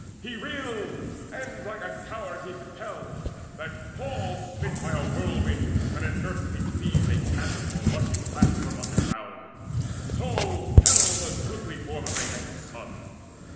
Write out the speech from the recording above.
He reeled, and like a tower he fell, that falls Smit by a whirlwind when an earthquake cleaves A chasm for rushing blasts from underground; So fell the goodly form of Aeacus' son.